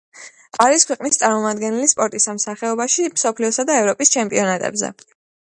არის ქვეყნის წარმომადგენელი სპორტის ამ სახეობაში მსოფლიოსა და ევროპის ჩემპიონატებზე.